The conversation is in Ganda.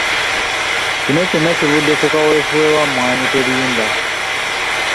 Kino kyonna kivudde ku kaweefube wa Mmwanyi Terimba.